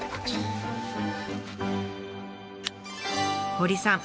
堀さん